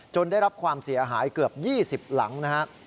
ได้รับความเสียหายเกือบ๒๐หลังนะครับ